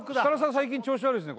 最近調子悪いっすね